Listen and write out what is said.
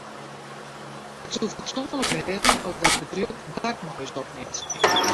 It soe fatsoenlik wêze as dat bedriuw kontakt mei ús opnimt.